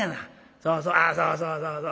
そうそうあっそうそうそうそう